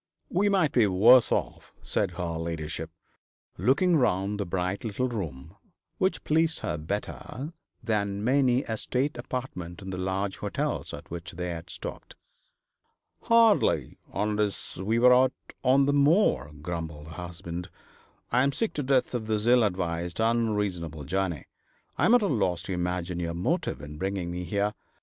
'We might be worse off,' said her ladyship, looking round the bright little room, which pleased her better than many a state apartment in the large hotels at which they had stopped. 'Hardly, unless we were out on the moor,' grumbled her husband. 'I am sick to death of this ill advised, unreasonable journey. I am at a loss to imagine your motive in bringing me here.